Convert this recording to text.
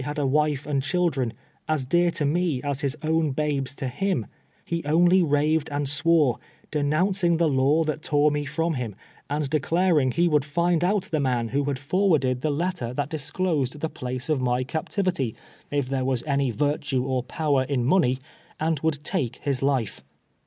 had a M'ile and c'liildreii, as dear to me as liis own babes to hiiu, lie oidy i aved and swore, denouncing the law that tore me I'roni him, and declaring he "would lind out the iiuiu who had forwarded the letter that disclosed the place of my captivity, if there Mas any virtue or power in money, and would take his life.